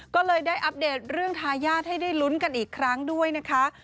ก็เลยได้อัปเดตเรื่องทายาทให้ได้ลุ้นกันอีกครั้งด้วยนะคะ